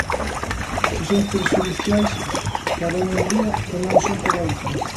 Se son prexudiciais para unha ría, tamén o son para a outra.